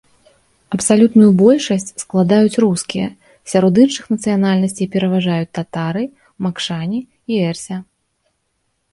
Абсалютную большасць складаюць рускія, сярод іншых нацыянальнасцей пераважаюць татары, макшане і эрзя.